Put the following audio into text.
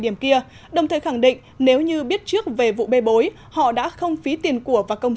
điểm kia đồng thời khẳng định nếu như biết trước về vụ bê bối họ đã không phí tiền của và công